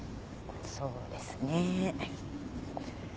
そうですね。